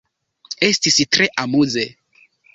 Estis tre amuze!